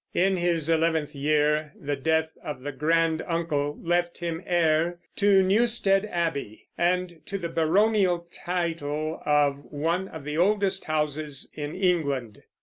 In his eleventh year the death of a granduncle left him heir to Newstead Abbey and to the baronial title of one of the oldest houses in England.